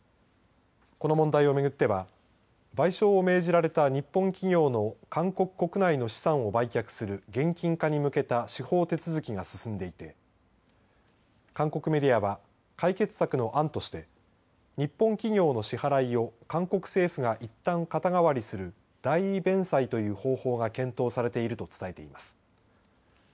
この問題を巡っては賠償を命じられた日本企業の韓国国内の資産を売却する現金化に向けた司法手続きが進んでいて韓国メディアは解決策の案として日本企業の支払いを韓国政府がいったん肩代わりする代位弁済という方法が検討されていると伝えています。